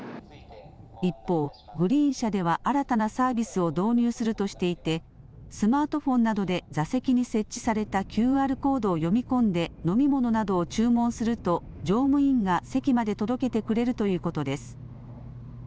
一方、グリーン車では新たなサービスを導入するとしていてスマートフォンなどで座席に設置されたＱＲコードを読み込んで飲み物などを注文すると乗務員が席まで届けてくれるということです。